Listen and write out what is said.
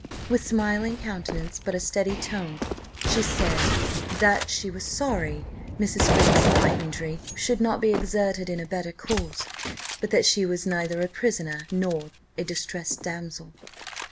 With a smiling countenance, but a steady tone, she said, "that she was sorry Mrs. Freke's knight errantry should not be exerted in a better cause, for that she was neither a prisoner, nor a distressed damsel."